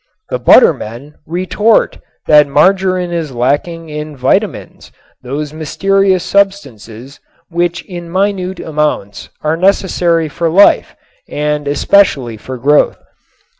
The butter men retort that margarin is lacking in vitamines, those mysterious substances which in minute amounts are necessary for life and especially for growth.